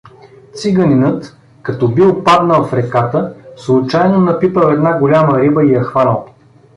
Циганинът, като бил паднал в реката, случайно напипал една голяма риба и я хванал.